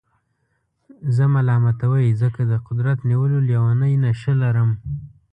زه ملامتوئ ځکه د قدرت نیولو لېونۍ نېشه لرم.